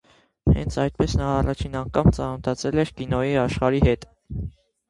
Հենց այդպես նա առաջին անգամ ծանոթացել է կինոյի աշխարհի հետ։